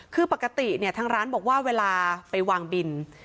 คือปกติเนี่ยทางร้านบอกว่าเวลาไปวางบิน